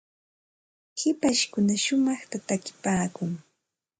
hipashkuna shumaqta takipaakun.